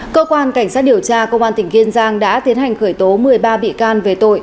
cơ quan cảnh sát điều tra công an tỉnh kiên giang đã tiến hành khởi tố một mươi ba bị can về tội